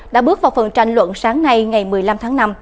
đã bước vào phần tranh luận sáng nay ngày một mươi năm tháng năm